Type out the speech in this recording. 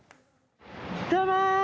どうも！